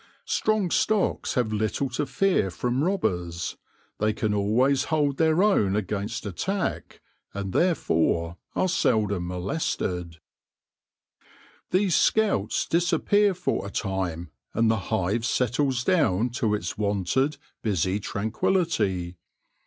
Strong stocks have little to fear from robbers ; they can always hold their own against attack, and therefore are seldom molested. AFTER THE FEAST 175 These scouts disappear for a time, and the hive settles down to its wonted, busy tranquillity.